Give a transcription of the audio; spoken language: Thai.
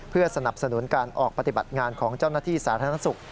เพื่อสนับสนุนการออกปฏิบัติงานของเจ้าหน้าที่สาธารณสุข